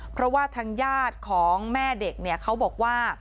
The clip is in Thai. เพราะว่าทางญาติของแม่เด็กเนี่ยเขาบอกว่า